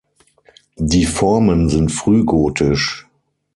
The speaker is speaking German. Die Formen sind frühgotisch.